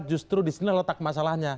justru disini letak masalahnya